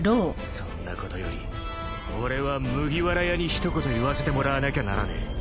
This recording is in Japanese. そんなことより俺は麦わら屋に一言言わせてもらわなきゃならねえ。